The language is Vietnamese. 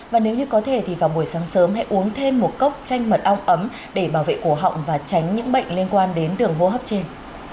và nếu như có thể thì vào buổi sáng sớm hãy uống thêm một cốc chanh mật ong ấm để bảo vệ cổ họng và tránh những bệnh liên quan đến đường hô hấp trên